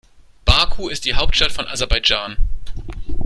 Baku ist die Hauptstadt von Aserbaidschan.